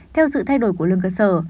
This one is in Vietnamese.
theo sự thay đổi của lương cơ sở